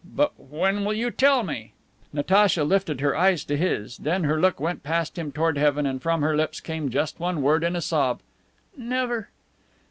But when will you tell me?" Natacha lifted her eyes to his, then her look went past him toward heaven, and from her lips came just one word, in a sob: "Never."